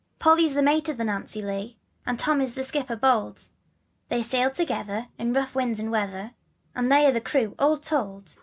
P OLL Y'S the mate of the Nancy Lee, And Tom is the skipper bold, They sail together In rough wind and weather, And they are the crew, all told.